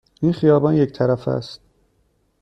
این خیابان یک طرفه است.